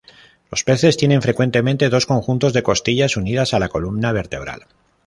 Los peces tienen frecuentemente dos conjuntos de costillas unidas a la columna vertebral.